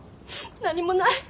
何もない。